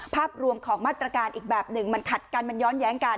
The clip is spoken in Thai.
ภาพรวมของมาตรการอีกแบบหนึ่งมันขัดกันมันย้อนแย้งกัน